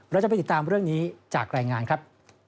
เราจะไปติดตามเรื่องนี้จากรายงานครับ